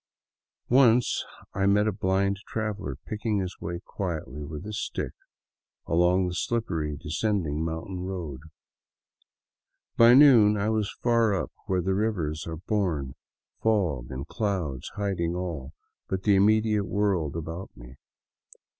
Once I met a blind traveler picking his way quite swiftly with his stick along the slippery, descending mountain road. By noon I was far up where the rivers are born, fog and clouds hiding all but the immediate world about me.